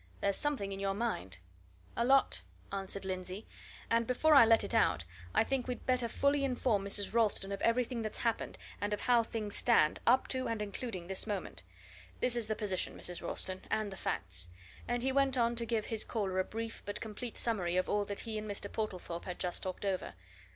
"There's something in your mind." "A lot," answered Mr. Lindsey. "And before I let it out, I think we'd better fully inform Mrs. Ralston of everything that's happened, and of how things stand, up to and including this moment. This is the position, Mrs. Ralston, and the facts" and he went on to give his caller a brief but complete summary of all that he and Mr. Portlethorpe had just talked over.